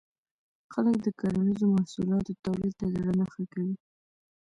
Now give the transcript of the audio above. خلک د کرنیزو محصولاتو تولید ته زړه نه ښه کوي.